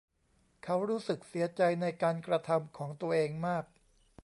เขารู้สึกเสียใจในการกระทำของตัวเองมาก